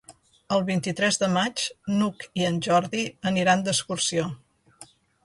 El vint-i-tres de maig n'Hug i en Jordi aniran d'excursió.